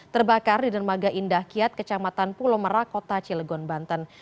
terbakar di dermaga indah kiat kecamatan pulau merah kota cilegon banten